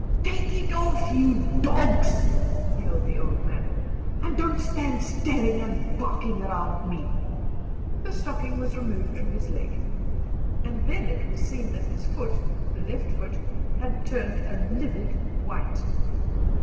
"Take it off, you dogs!" yelled the old man, "and don't stand staring and barking round me." The stocking was removed from his leg, and then it was seen that his foot the left foot had turned a livid white.